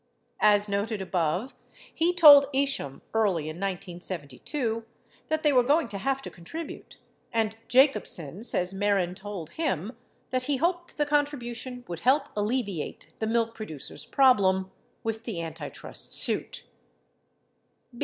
As noted above, he told Isham early in 1972 that they were going to have to contribute, and Jacobsen says Mehren told him that he hoped the contribution would help alleviate the milk producers' prob lem with the antitrust suit.